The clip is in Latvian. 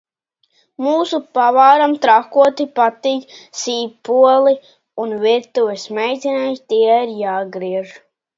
Mūsu pavāram trakoti patīk sīpoli un virtuves meitenei tie ir jāgriež.